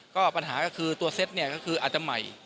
ก็ปัญหาก็คือตัวเซ็ตเนี่ยก็คืออาจจะใหม่